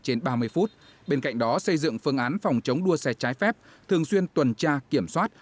trên ba mươi phút bên cạnh đó xây dựng phương án phòng chống đua xe trái phép thường xuyên tuần tra kiểm soát